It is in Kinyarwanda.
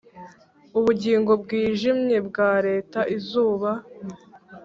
ubugingo bwijimye bwa leta izuba